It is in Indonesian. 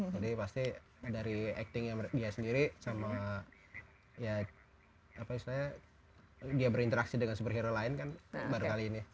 pasti dari actingnya dia sendiri sama ya apa istilahnya dia berinteraksi dengan superhero lain kan baru kali ini